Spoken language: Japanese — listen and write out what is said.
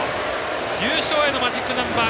優勝へのマジックナンバー